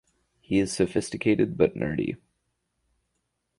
He is sophisticated but nerdy.